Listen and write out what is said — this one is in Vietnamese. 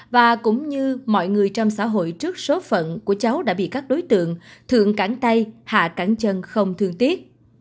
và cũng như mọi người trong xã hội trước số phận của cháu đã bị các đối tượng thượng cẳng tay hạ cẳng chân không thương tiếc